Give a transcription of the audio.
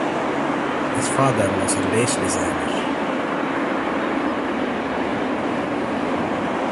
His father was a lace designer.